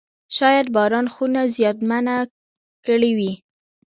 شاید باران خونه زیانمنه کړې وي.